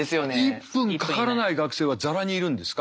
１分かからない学生はザラにいるんですか？